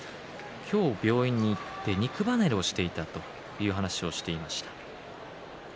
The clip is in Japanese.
今日、病院に行って肉離れをしていたという話をしていました。